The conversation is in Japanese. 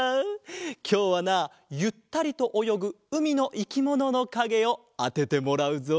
きょうはなゆったりとおよぐうみのいきもののかげをあててもらうぞ！